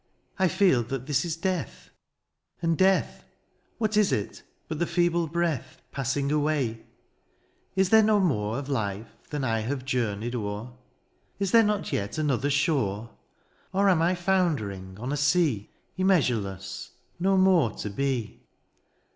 ^^ I feel that this is death — and death, '* What is it but the feeble breath '^ Passing away ? Is there no more ^^ Of life than I have journeyed o^er ?" Is there not yet another shore ? Or am I foundering on a sea a THE AREOPAGITE. 81 *^ Immeasureless^ no more to be